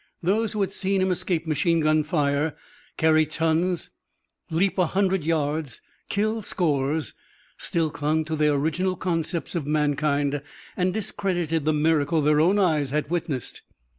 Those who had seen him escape machine gun fire, carry tons, leap a hundred yards, kill scores, still clung to their original concepts of mankind and discredited the miracle their own eyes had witnessed.